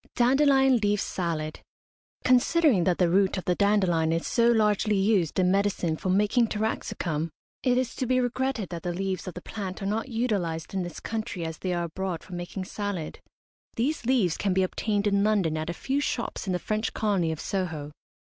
DANDELION LEAF SALAD. Considering that the root of the dandelion is so largely used in medicine for making taraxacum, it is to be regretted that the leaves of the plant are not utilised in this country as they are abroad for making salad. These leaves can be obtained in London at a few shops in the French colony of Soho.